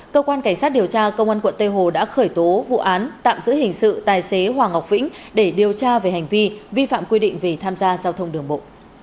cơ quan cảnh sát điều tra công an quận tây hồ đã khởi tố vụ án tạm giữ hình sự tài xế hoàng ngọc vĩnh để điều tra về hành vi vi phạm quy định về tham gia giao thông đường bộ